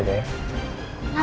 ngapain sih mas